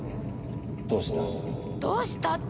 でどうした？